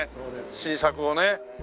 新作をね。